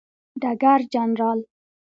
ډګر جنرال